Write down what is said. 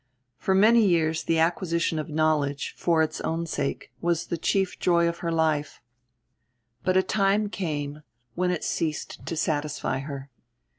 For many years the acquisition of knowledge, for its own sake, was the chief joy of her life; but a time came when it ceased to satisfy her.